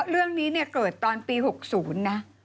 แต่เรื่องนี้เนี่ยเกิดตอนปี๖๐นะ